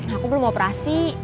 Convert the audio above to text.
aku belum operasi